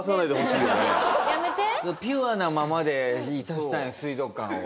ピュアなままでいさせたいの水族館を。